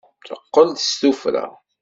Teqqel-d s tuffra.